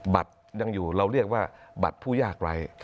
บัตรยังอยู่เราเรียกว่าบัตรผู้ยากไร้